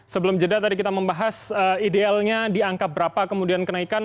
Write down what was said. sebelum jeda tadi kita membahas idealnya diangkat berapa kemudian kenaikan